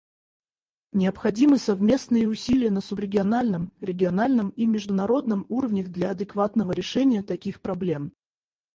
Необходимы совместные усилия на субрегиональном, региональном и международном уровнях для адекватного решения таких проблем.